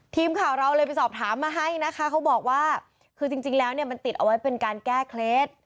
ทีมข่าวเราเลยไปสอบถามมาให้นะคะเขาบอกว่าคือจริงแล้วเนี่ยมันติดเอาไว้เป็นการแก้เคล็ด